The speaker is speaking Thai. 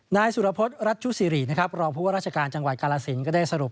นายสุทพธรัชชุสิริรอบโพธิ์ว่ารัศจังหวัดกลณ์กลรสินทร์